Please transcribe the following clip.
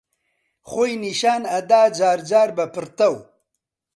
خۆی نیشان ئەدا جارجار بە پڕتەو